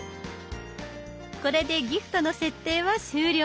これでギフトの設定は終了。